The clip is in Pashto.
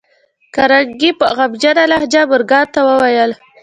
کارنګي په غمجنه لهجه مورګان ته وویل